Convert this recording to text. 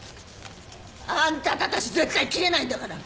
あんたと私絶対切れないんだから。